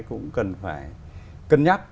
cũng cần phải cân nhắc